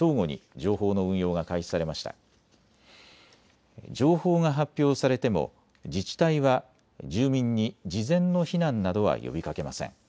情報が発表されても自治体は住民に事前の避難などは呼びかけません。